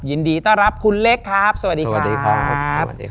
ยินดีต้อนรับคุณเล็กครับสวัสดีครับ